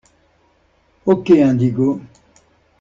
Ok Indigo